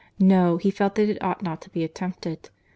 —No, he felt that it ought not to be attempted.